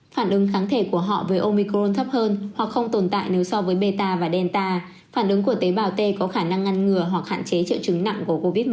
phản ứng kháng thể của họ với omicron thấp hơn hoặc không tồn tại nếu so với meta và delta phản ứng của tế bào t có khả năng ngăn ngừa hoặc hạn chế triệu chứng nặng của covid một mươi chín